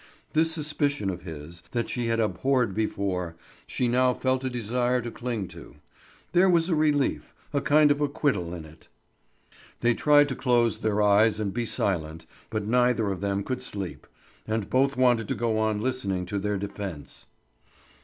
This suspicion of his, that she had abhorred before, she now felt a desire to cling to; there was a relief, a kind of acquittal in it. They tried to close their eyes and be silent, but neither of them could sleep, and both wanted to go on listening to their defence.